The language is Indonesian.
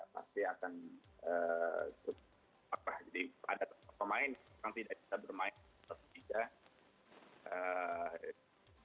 pasti akan ada pemain yang tidak bisa bermain